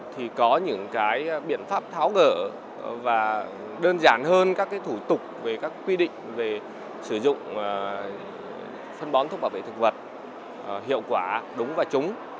thì có những cái biện pháp tháo gỡ và đơn giản hơn các cái thủ tục về các quy định về sử dụng phân bón thuốc bảo vệ thực vật hiệu quả đúng và trúng